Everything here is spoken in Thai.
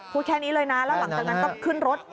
พูดแค่นี้เลยนะแล้วหลังจากนั้นก็ขึ้นรถ